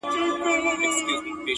موچي ولي خبروې له خپله زوره-